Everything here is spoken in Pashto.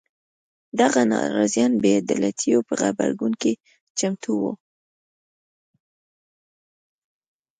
دغه ناراضیان بې عدالیتو په غبرګون کې چمتو وو.